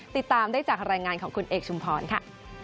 ติดตามได้จากรายงานของคุณเอกชุมพรค่ะ